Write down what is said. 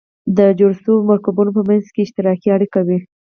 د جوړو شوو مرکبونو په منځ کې اشتراکي اړیکې وي.